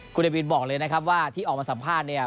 คุณเนวินบอกเลยนะครับว่าที่ออกมาสัมภาษณ์เนี่ย